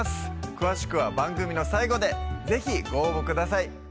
詳しくは番組の最後で是非ご応募ください